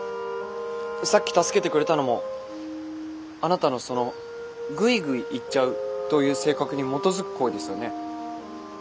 さっき助けてくれたのもあなたのその「グイグイ行っちゃう」という性格に基づく行為ですよね？